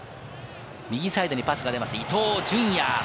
右サイドにパスが出て伊東純也。